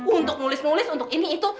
untuk nulis nulis untuk ini itu